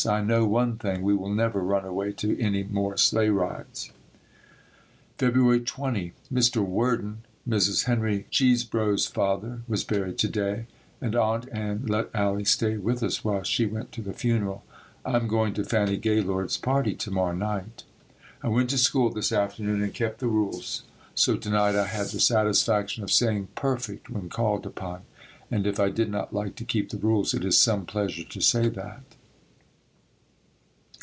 I know one thing, we will never run away to any more sleigh rides. February 20. Mr. Worden, Mrs. Henry Chesebro's father, was buried to day, and Aunt Ann let Allie stay with us while she went to the funeral. I am going to Fannie Gaylord's party to morrow night. I went to school this afternoon and kept the rules, so to night I had the satisfaction of saying "perfect" when called upon, and if I did not like to keep the rules, it is some pleasure to say that.